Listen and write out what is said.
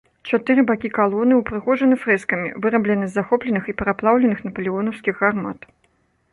Чатыры бакі калоны ўпрыгожаны фрэскамі, вырабленымі з захопленых і пераплаўленых напалеонаўскіх гармат.